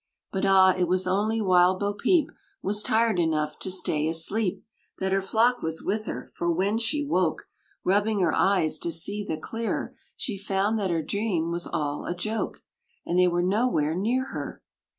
But ah, it was only while Bo Peep Was tired enough to stay asleep That her flock was with her; for when she woke, Rubbing her eyes to see the clearer, She found that her dream was all a joke, And they were nowhere near her.